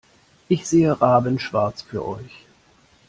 Ich sehe rabenschwarz für euch.